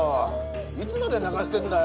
いつまで泣かしてんだよ。